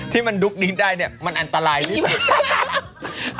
ที่มันดุกดีได้เนี่ยมันอันตรายที่สุด